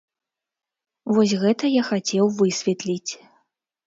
Вось гэта я хацеў высветліць.